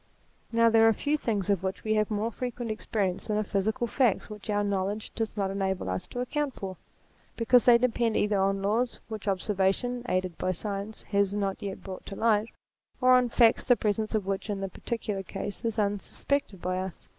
Now there are few things of which we have more frequent experience than of physical facts which our knowledge does not enable us to account for, because they depend either on laws which observation, aided by science, has not yet brought to light, or on facts the presence of which in the particular case is un suspected by us.